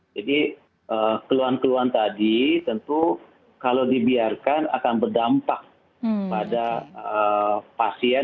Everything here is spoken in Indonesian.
jadi keluhan keluhan tadi tentu kalau dibiarkan akan berdampak pada pasien